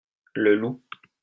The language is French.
Le loup.